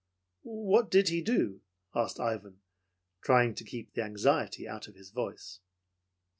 "What did he do?" asked Ivan, trying to keep the anxiety out of his voice.